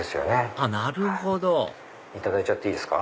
あっなるほどいただいちゃっていいですか。